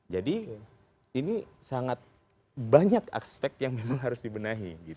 jadi ini sangat banyak aspek yang memang harus dibenahi